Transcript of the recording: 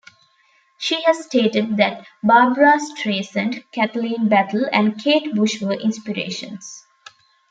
She has stated that Barbra Streisand, Kathleen Battle and Kate Bush were inspirations.